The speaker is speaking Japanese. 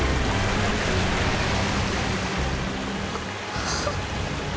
あっ。